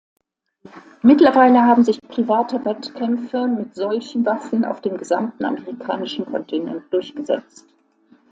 Mittlerweile haben sich private Wettkämpfe mit solchen Waffen auf dem gesamten amerikanischen Kontinent durchgesetzt.